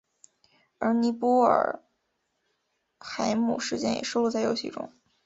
而尼布尔海姆事件也收录在游戏中。